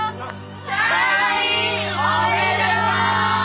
退院おめでとう！